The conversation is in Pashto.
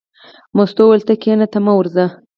مستو وویل: ته کېنه ته مه ورځه.